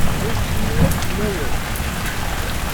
Ur cfin ara fell-awen.